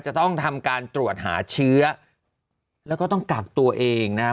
จะต้องทำการตรวจหาเชื้อแล้วก็ต้องกักตัวเองนะครับ